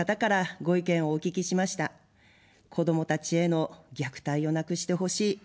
子どもたちへの虐待をなくしてほしい。